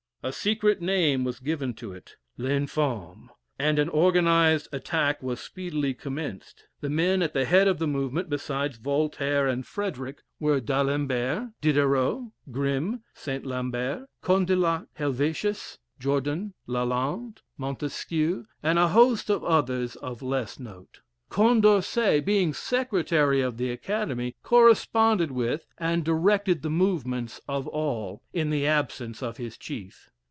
A secret name was given to it L'Infame and an organized attack was speedily commenced. The men at the head of the movement, besides Voltaire and Frederick, were D'Alembert, Diderot, Grim, St. Lambert, Condillac, Helvetius, Jordan, Lalande, Montesquieu, and a host of others of less note. Con dorcet, being secretary of the Academy, corresponded with, and directed the movements of all, in the absence of his chief.